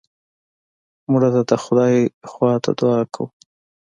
مړه ته د خدای خوا ته دعا کوو